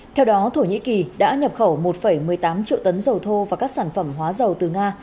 theo đó thổ nhĩ kỳ đã nhập khẩu một một mươi tám triệu tấn dầu thô và các sản phẩm hóa dầu từ nga